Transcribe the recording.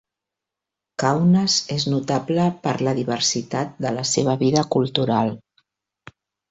Kaunas és notable per la diversitat de la seva vida cultural.